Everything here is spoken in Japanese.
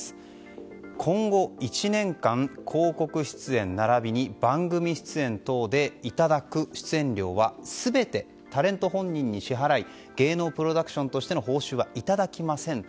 今後１年間、広告出演並びに番組出演等でいただく出演料は全てタレント本人に支払い芸能プロダクションとしての報酬はいただきませんと。